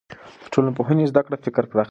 د ټولنپوهنې زده کړه فکر پراخوي.